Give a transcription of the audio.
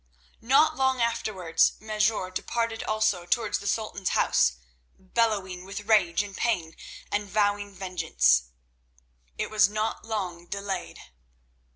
Not long afterwards Mesrour departed also, towards the Sultan's house, bellowing with rage and pain and vowing vengeance. It was not long delayed.